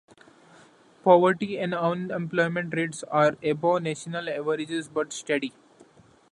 Poverty and unemployment rates are above national averages, but steady.